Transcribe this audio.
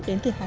đến từ hà nội